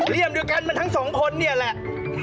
เลี่ยมดูกันมันทั้งสองคนนี่แหละ